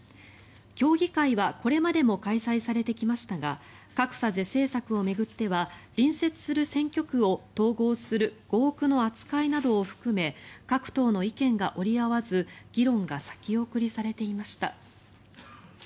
協議会はこれまでも開催されてきましたが格差是正策を巡っては隣接する選挙区を統合する合区の扱いなどを含め各党の意見が折り合わず議論が先送りされていました。